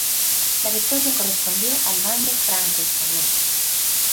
La victoria correspondió al bando franco-español.